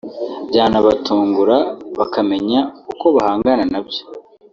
byanabatungura bakamenya uko bahangana nabyo